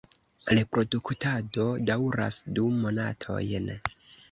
Reproduktado daŭras du monatojn.